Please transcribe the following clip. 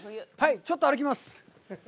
ちょっと歩きます。